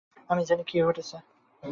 আমি জানি কী ঘটেছে।